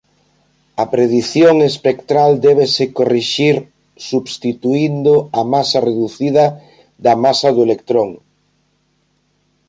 T. A predición espectral debese corrixir substituíndo a masa reducida da masa do electrón.